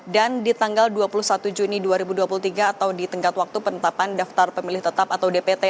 dan di tanggal dua puluh satu juni dua ribu dua puluh tiga atau di tenggat waktu penetapan daftar pemilih tetap atau dpt